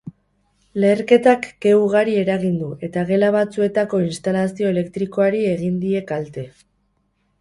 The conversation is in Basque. Leherketak ke ugari eragin du eta gela batzuetako instalazio elektrikoaari egin die kalte.